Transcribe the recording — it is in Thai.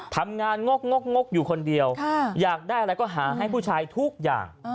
ทำงานงกงกอยู่คนเดียวอยากได้อะไรก็หาให้ผู้ชายทุกอย่าง